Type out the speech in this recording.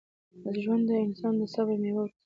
ژوند د انسان د صبر میوه ورکوي.